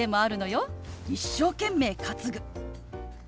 「一生懸命担ぐ」。